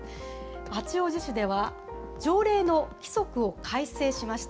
八王子市では、条例の規則を改正しました。